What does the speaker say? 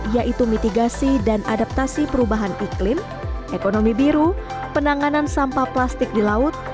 yaitu mitigasi dan adaptasi perubahan iklim ekonomi biru penanganan sampah plastik di laut